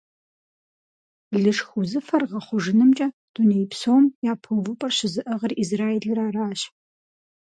Лышх узыфэр гъэхъужынымкӀэ дуней псом япэ увыпӀэр щызыӀыгъыр Израилыр аращ.